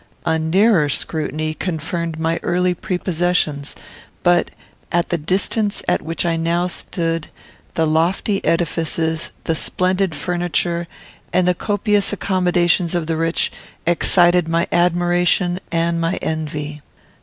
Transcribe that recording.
A nearer scrutiny confirmed my early prepossessions; but, at the distance at which I now stood, the lofty edifices, the splendid furniture, and the copious accommodations of the rich excited my admiration and my envy.